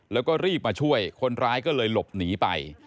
แล้วก็รีบมาช่วยคนร้ายก็เลยหลบหนีไป